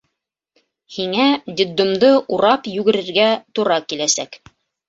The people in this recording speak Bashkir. — Һиңә детдомды урап йүгерергә тура киләсәк.